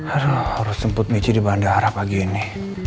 aduh harus jemput mici di bandara pagi ini